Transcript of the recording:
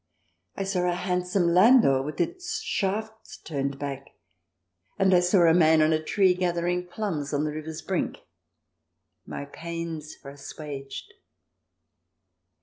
I saw a handsome landau with its shafts turned back, and I saw a man in a tree gathering plums on the river's brink. My pains were assuaged.